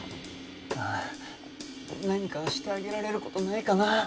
ああ何かしてあげられる事ないかな？